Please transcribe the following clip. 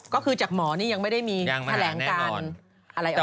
ก็คือจากหมอนี่ยังไม่ได้มีแถลงการอะไรออกไปยังไม่หาแน่นอน